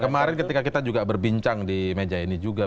kemarin ketika kita juga berbincang di meja ini juga